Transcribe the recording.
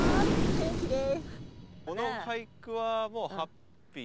元気です！